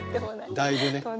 だいぶね！